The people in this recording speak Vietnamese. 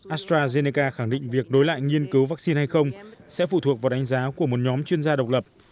astrazeneca khẳng định việc đối lại nghiên cứu vaccine hay không sẽ phụ thuộc vào đánh giá của một nhóm chuyên gia độc lập